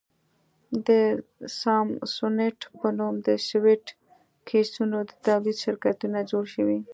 د سامسونیټ په نوم د سویټ کېسونو د تولید شرکتونه جوړ شول.